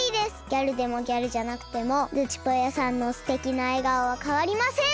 ギャルでもギャルじゃなくてもズチぽよさんのすてきなえがおはかわりません！